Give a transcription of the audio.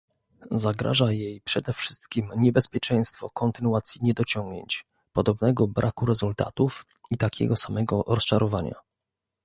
Zagraża jej przede wszystkim niebezpieczeństwo kontynuacji niedociągnięć, podobnego braku rezultatów i takiego samego rozczarowania